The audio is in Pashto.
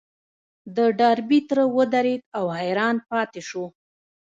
د ډاربي تره ودرېد او حيران پاتې شو.